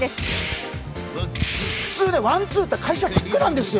普通、ワン・ツーって、返しはフックなんですよ。